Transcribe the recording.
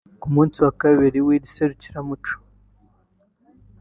Ku munsi wa kabiri w’iri serukiramuco